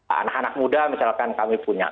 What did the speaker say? anak anak muda misalkan kami punya